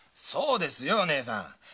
そうですよ姐さん。